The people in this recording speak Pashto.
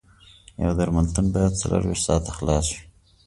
یو درملتون باید څلور ویشت ساعته خلاص وي